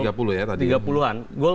goal cardnya baru diangkat sebelas